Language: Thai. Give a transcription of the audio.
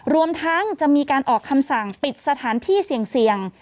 รวมทั้งจะมีการออกคำสั่งปิดสถานที่เสี่ยง